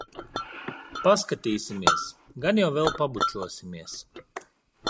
Paskatīsimies. Gan jau vēl pabučosimies.